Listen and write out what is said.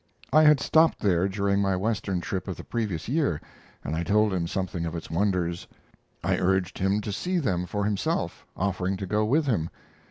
I had stopped there during my Western trip of the previous year, and I told him something of its wonders. I urged him to see them for himself, offering to go with him.